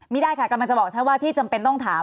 ไม่ได้ค่ะกำลังจะบอกถ้าว่าที่จำเป็นต้องถาม